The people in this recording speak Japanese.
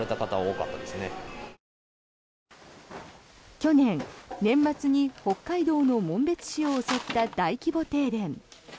去年、年末に北海道の紋別市を襲った大規模停電。